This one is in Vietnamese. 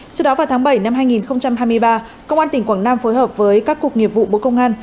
trước đó vào tháng bảy năm hai nghìn hai mươi ba công an tỉnh quảng nam phối hợp với các cuộc nghiệp vụ bộ công an